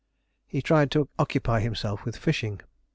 ] He tried to occupy himself with fishing.